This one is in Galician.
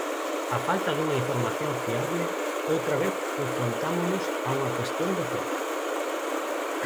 A falta dunha información fiable, outra vez enfrontámonos a unha cuestión de fe.